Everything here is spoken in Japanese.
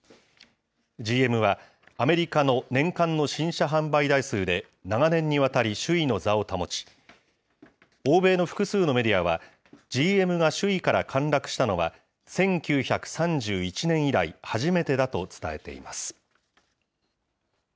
ＧＭは、アメリカの年間の新車販売台数で長年にわたり首位の座を保ち、欧米の複数のメディアは、ＧＭが首位から陥落したのは、１９３１年以来、初めてだと伝えています。